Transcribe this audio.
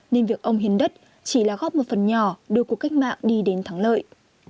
nên việc ông hiến đất chỉ là góp một phần nhỏ đưa cuộc cách mạng đi đến thắng lợi